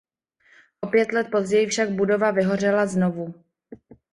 O pět let později však budova vyhořela znovu.